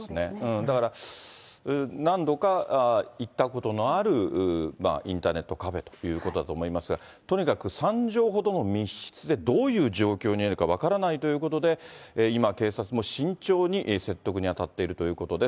だから、何度か行ったことのあるインターネットカフェということだと思いますが、とにかく３畳ほどの密室で、どういう状況にあるか分からないということで、今、警察も慎重に説得に当たっているということです。